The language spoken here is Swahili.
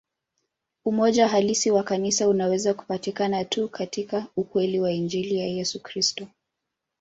Umoja halisi wa Kanisa unaweza kupatikana tu katika ukweli wa Injili ya Yesu Kristo.